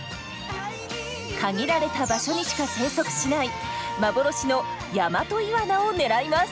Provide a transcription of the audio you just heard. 限られた場所にしか生息しない幻のヤマトイワナを狙います。